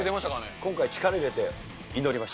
今回、力入れて祈りました。